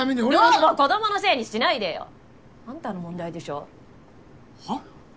女房子どものせいにしないでよ！あんたの問題でしょ。はあ？